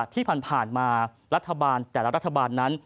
ที่ผ่านมารัฐบาลแต่ละรัฐบาลนั้น